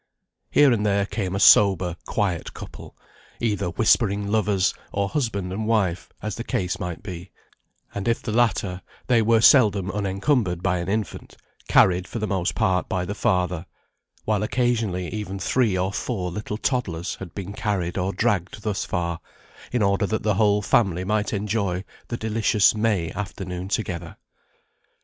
Here and there came a sober quiet couple, either whispering lovers, or husband and wife, as the case might be; and if the latter, they were seldom unencumbered by an infant, carried for the most part by the father, while occasionally even three or four little toddlers had been carried or dragged thus far, in order that the whole family might enjoy the delicious May afternoon together.